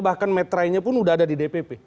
bahkan metrainya pun udah ada di dpp